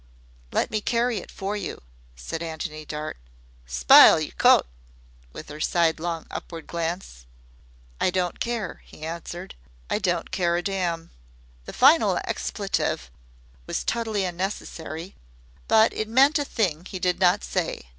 "Let me carry it for you," said Antony Dart "Spile yer coat," with her sidelong upward glance. "I don't care," he answered. "I don't care a damn." The final expletive was totally unnecessary, but it meant a thing he did not say.